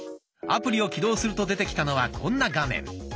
アプリを起動すると出てきたのはこんな画面。